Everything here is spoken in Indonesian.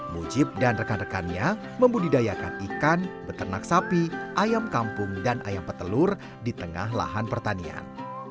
mujib dan rekan rekannya membudidayakan ikan beternak sapi ayam kampung dan ayam petelur di tengah lahan pertanian